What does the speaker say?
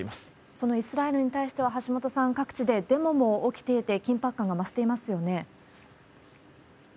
そのイスラエルに対しては、橋本さん、各地でデモも起きていて、緊迫感が増していますよね。